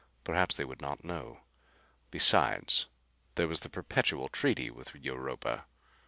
Perhaps they would not know. Besides, there was the perpetual treaty with Europa.